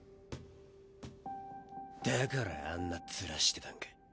だからあんな面してたんか。